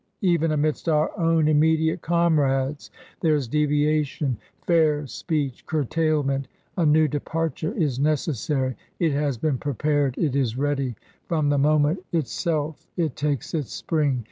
" Even amidst our own immediate comrades there is deviation, fair speech, curtailment. A new departure is necessary — it has been prepared, it is ready. From the moment itself it takes its spring.